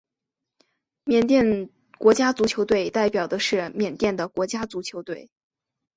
缅甸国家足球队是代表缅甸的国家足球队。